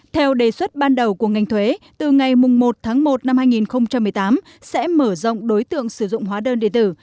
theo đề xuất ban đầu của ngành thuế từ ngày một tháng một năm hai nghìn một mươi tám sẽ mở rộng đối tượng sử dụng hóa đơn điện tử